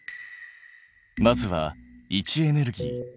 まずは位置エネルギー。